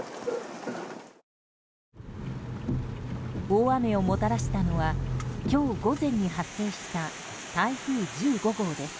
大雨をもたらしたのは今日午前に発生した台風１５号です。